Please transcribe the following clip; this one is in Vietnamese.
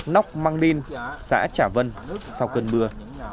nóc mang linh xã trả vân sau cơn mưa